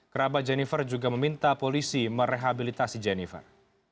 kerabat jennifer juga meminta polisi merehabilitasi jennifer